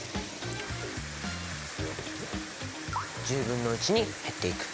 １０分の１に減っていく。